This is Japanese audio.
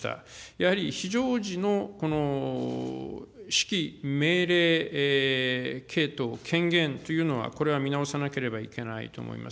やはり非常時の指揮命令系統、権限というのは、これは見直さなければいけないと思います。